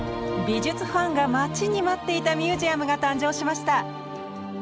美術ファンが待ちに待っていたミュージアムが誕生しました。